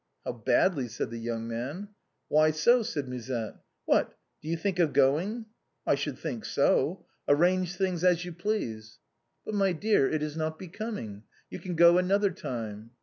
" How badly," said the young man. "Why so?" said Musette. " What, do you think of going ?"" I should think so. Arrange things as you please." musette's fancies. 257 " But, my dear, it is not becoming. You can go another time."